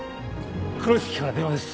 黒い月から電話です！